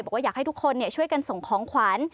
บอกว่าอยากให้ทุกคนช่วยกันส่งของขวัญ